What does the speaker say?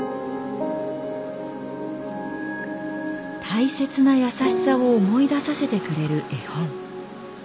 大切なやさしさを思い出させてくれる絵本。